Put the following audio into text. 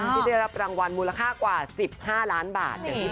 ที่ได้รับรางวัลมูลค่ากว่า๑๕ล้านบาท